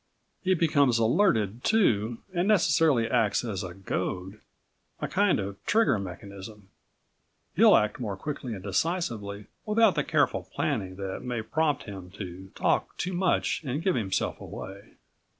He becomes alerted too, and necessity acts as a goad a kind of trigger mechanism. He'll act more quickly and decisively, without the careful planning that may prompt him to talk too much and give himself away.